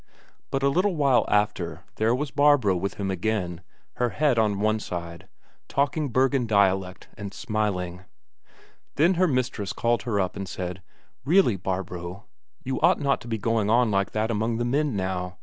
But a little while after there was Barbro with him again, her head on one side, talking Bergen dialect and smiling. Then her mistress called her up and said: "Really, Barbro, you ought not to be going on like that among the men now.